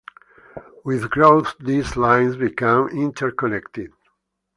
With growth these lines become interconnected.